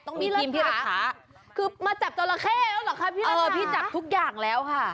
ทีมพี่คือมาจับจราเข้แล้วเหรอคะพี่เออพี่จับทุกอย่างแล้วค่ะ